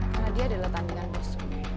karena dia adalah tandingan bos